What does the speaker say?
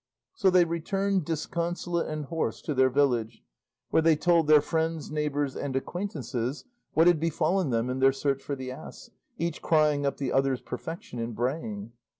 So they returned disconsolate and hoarse to their village, where they told their friends, neighbours, and acquaintances what had befallen them in their search for the ass, each crying up the other's perfection in braying.